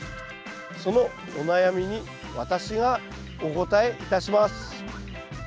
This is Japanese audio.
そのお悩みに私がお答えいたします。